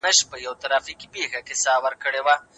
ولې ځینې ډلې ډېر قدرت او منزلت لري؟